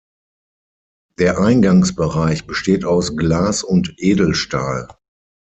Der Eingangsbereich besteht aus Glas und Edelstahl.